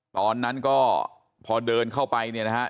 ตอนนั้นก็พอเดินเข้าไปเนี่ยนะฮะ